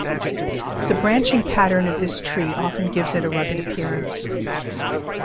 The branching pattern of this tree often gives it a rugged appearance.